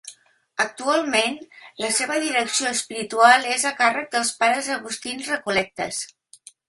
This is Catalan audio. Actualment, la seva direcció espiritual és a càrrec dels pares agustins recol·lectes.